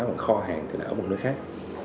hoặc kho hàng thì là ở một nơi khác